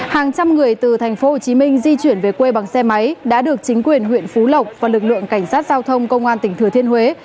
hàng trăm người từ tp hcm di chuyển về quê bằng xe máy đã được chính quyền huyện phú lộc và lực lượng cảnh sát giao thông công an tỉnh thừa thiên huế